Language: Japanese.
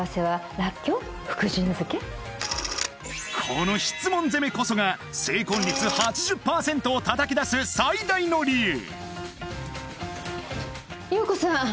この質問攻めこそが成婚率８０％を叩き出す最大の理由